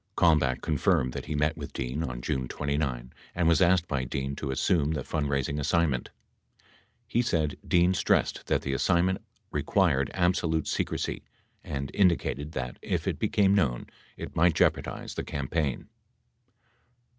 67 Kalmbach confirmed that he met with Dean on June 29 and was asked by Dean to assume the fundraising assignment. 68 He said Dean stressed that the assignment required absolute secrecy and indicated that, if it became known, it might jeopardize the campaign.